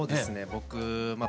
僕まあ